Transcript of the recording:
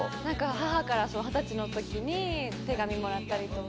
母から２０歳の時に手紙もらったりとか。